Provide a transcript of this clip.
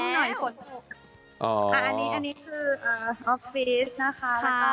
อันนี้คือออฟฟิศนะคะ